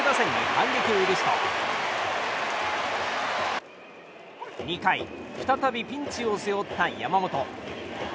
反撃を許すと２回、再びピンチを背負った山本。